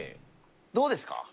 どうですか？